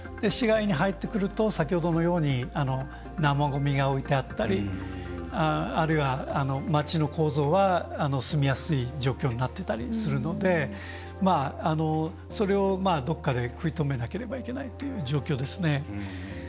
市街に入ってくると先ほどのように生ごみが置いてあったりあるいは、街の構造が住みやすい状況になってたりするのでそれをどこかで食い止めなければいけないという状況ですね。